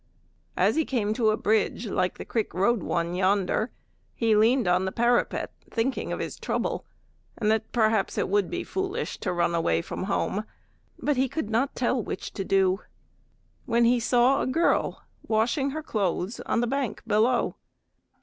As he came to a bridge, like the Creek Road one yonder, he leaned on the parapet thinking of his trouble, and that perhaps it would be foolish to run away from home, but he could not tell which to do; when he saw a girl washing her clothes on the bank below.